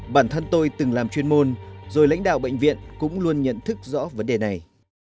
bản thân tôi từng làm chuyên môn rồi lãnh đạo bệnh viện cũng luôn nhận thức rõ vấn đề này